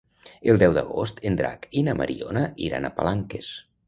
El deu d'agost en Drac i na Mariona iran a Palanques.